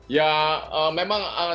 ya memang sangat variatif